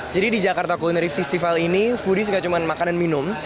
jadi di jakarta culinary festival ini foodies gak cuma makanan minum